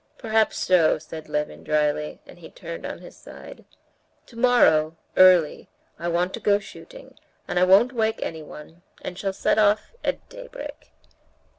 "Perhaps so," said Levin dryly, and he turned on his side. "Tomorrow, early, I want to go shooting, and I won't wake anyone, and shall set off at daybreak."